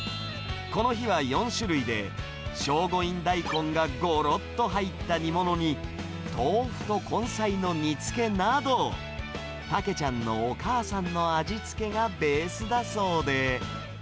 この日は４種類で、聖護院大根がごろっと入った煮物に、豆腐と根菜の煮付けなど、たけちゃんのお母さんの味付けがベースだそうで。